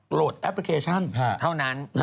แอปพลิเคชันเท่านั้น